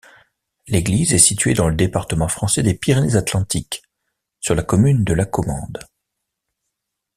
L'église est située dans le département français des Pyrénées-Atlantiques, sur la commune de Lacommande.